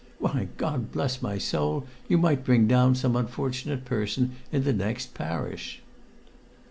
Why, God bless my soul, you might bring down some unfortunate person in the next parish!"